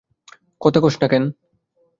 কথা কসনা কেন?